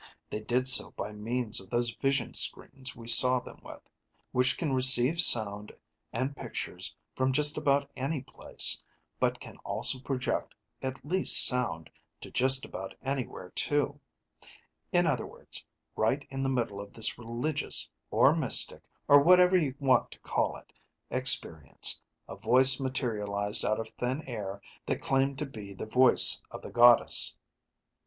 They did so by means of those vision screens we saw them with, which can receive sound and pictures from just about any place, but can also project, at least sound, to just about anywhere too. In other words, right in the middle of this religious, or mystic, or whatever you want to call it, experience, a voice materialized out of thin air that claimed to the voice of The Goddess.